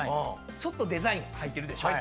ちょっとデザイン入ってるでしょ。